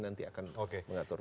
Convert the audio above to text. nanti akan mengatur